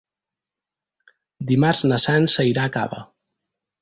Dimarts na Sança irà a Cava.